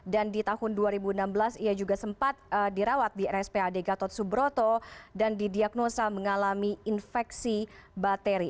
dan di tahun dua ribu enam belas ia juga sempat dirawat di rspad gatot subroto dan didiagnosa mengalami infeksi bateri